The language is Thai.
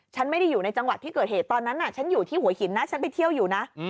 ฉันไม่ได้อยู่ในจังหวัดที่เกิดเหตุตอนนั้นฉันอยู่ที่หัวหินนะฉันไปเที่ยวอยู่นะ